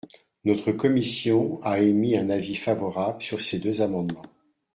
Notre commission a émis un avis favorable sur ces deux amendements.